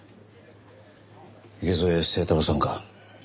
池添清太郎さんか。